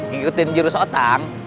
ikutin juru seotang